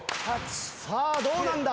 さあどうなんだ？